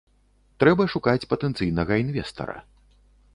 Трэба шукаць патэнцыйнага інвестара.